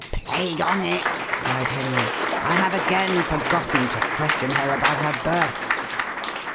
"Plague on it!" cried Henry, "I have again forgotten to question her about her birth."